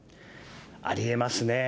ありえますね。